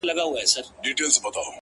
• زړه راته زخم کړه ـ زارۍ کومه ـ